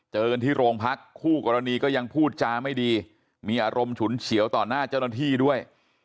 เจอกันที่โรงพักคู่กรณีก็ยังพูดจาไม่ดีมีอารมณ์ฉุนเฉียวต่อหน้าเจ้าหน้าที่ด้วย